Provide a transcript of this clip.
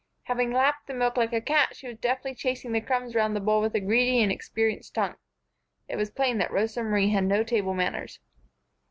Having lapped the milk like a cat, she was deftly chasing the crumbs round the bowl with a greedy and experienced tongue. It was plain that Rosa Marie had no table manners.